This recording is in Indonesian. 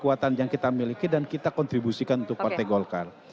kekuatan yang kita miliki dan kita kontribusikan untuk partai golkar